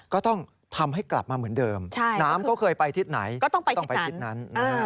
ก็ต้องทำให้กลับมาเหมือนเดิมน้ำเขาเคยไปทิศไหนต้องไปทิศนั้น